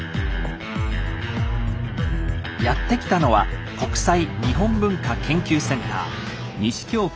やって来たのは国際日本文化研究センター。